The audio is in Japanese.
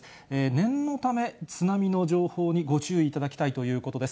念のため、津波の情報にご注意いただきたいということです。